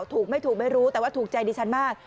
ถูกไม่รู้แต่ว่าถูกใจดีฉันมาก